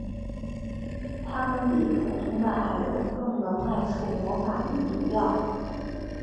他们比普通的矮人更能耐受魔法与毒药。